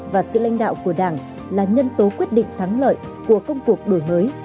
và sự lãnh đạo của đảng là nhân tố quyết định thắng lợi của công cuộc đổi mới